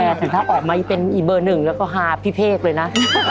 แต่ถ้าออกมาเป็นอีกเบอร์หนึ่งแล้วก็ฮาพี่เพกเลยนะ